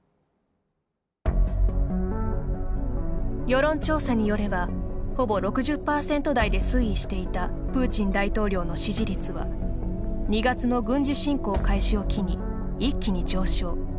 世論調査によればほぼ６０％台で推移していたプーチン大統領の支持率は２月の軍事侵攻開始を機に一気に上昇。